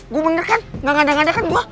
gue bener kan nggak ngandang ngandang kan gue